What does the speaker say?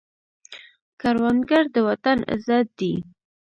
کروندګر د وطن عزت دی